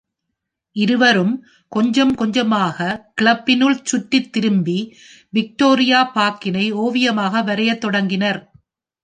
இருவரும் கொஞ்சம் கொஞ்சமாக கிளப்பினுள் சுற்றி திரும்பி விக்டோரியா பார்கினை ஓவியமாக வரையத் தொடங்கினர்.